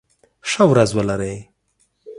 ښه ورځ ولرئ.